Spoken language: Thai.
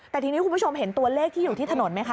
แต่ทีนี้คุณผู้ชมเห็นตัวเลขที่อยู่ที่ถนนไหมคะ